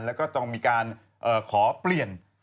แล้วก็ต้องมีการขอเปลี่ยน